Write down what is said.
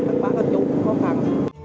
thật là hạnh phúc thật là khó khăn